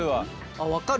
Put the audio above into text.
あ分かる！